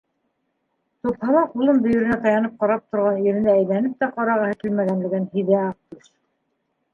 Тупһала ҡулын бөйөрөнә таянып ҡарап торған иренә әйләнеп тә ҡарағыһы килмәгәнлеген һиҙә Аҡтүш.